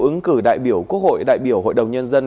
ứng cử đại biểu quốc hội đại biểu hội đồng nhân dân